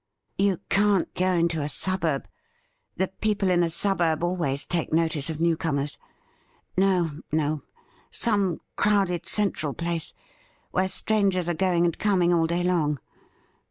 You can't go into a suburb ; the people in a suburb always take notice of new comers. No, no, some crowded central place where strangers are going and coming all day long.